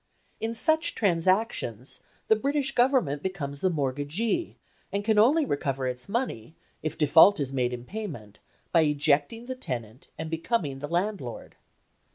In such transactions the British Government becomes the mortgagee, and can only recover its money, if default is made in payment, by ejecting the tenant and becoming the landlord.